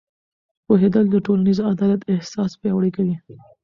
پوهېدل د ټولنیز عدالت احساس پیاوړی کوي.